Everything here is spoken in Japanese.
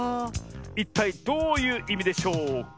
いったいどういういみでしょうか？